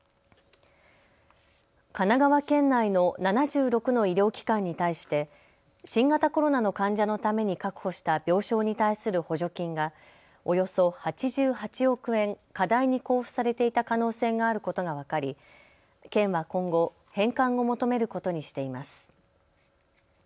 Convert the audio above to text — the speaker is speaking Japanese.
神奈川県内の７６の医療機関に対して新型コロナの患者のために確保した病床に対する補助金がおよそ８８億円過大に交付されていた可能性があることが分かり、県は今後、返還を求めることにしています。